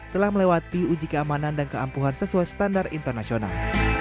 telah melewati uji keamanan dan keampuhan sesuai standar internasional